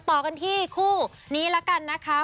ต่อกันที่คู่นี้ละกันนะคะ